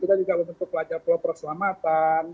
kita juga untuk pelajar peluang perselamatan